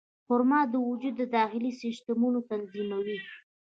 خرما د وجود د داخلي سیستمونو تنظیموي.